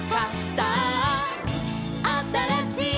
「さああたらしい」